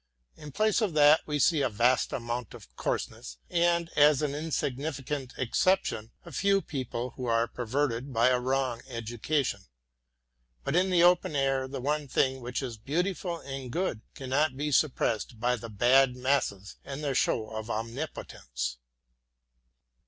In place of that we see a vast amount of coarseness and, as an insignificant exception, a few who are perverted by a wrong education. But in the open air the one thing which is beautiful and good cannot be suppressed by the bad masses and their show of omnipotence.